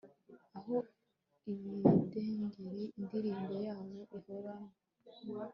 Aho ibidengeri indirimbo yayo irohama